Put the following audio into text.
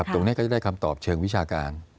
ก็จะได้คำตอบเชิงวิชาการ